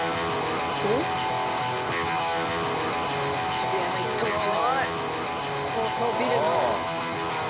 渋谷の一等地の高層ビルの。